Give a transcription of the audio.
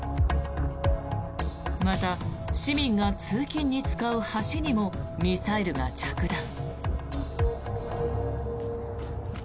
また、市民が通勤に使う橋にもミサイルが着弾。